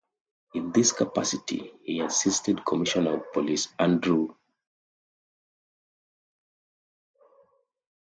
In this capacity, he assisted Commissioner of Police Andrew Hughes.